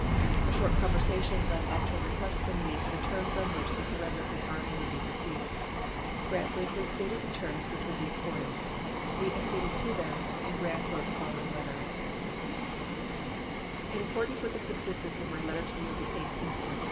A short conversation led up to a request from Lee for the terms on which the sur render of his army would be received. Grant briefly stated the terms which would be accorded. Lee acceded to them, and Grant wrote the following letter : In accordance with the substance of my letter to yon of the 8th inst.